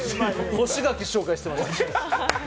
干し柿紹介してました。